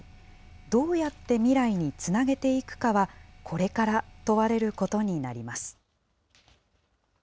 どうやって未来につなげていくかは、これから問われることになります。